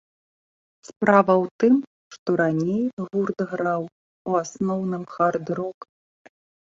Справа ў тым, што раней гурт граў у асноўным хард-рок.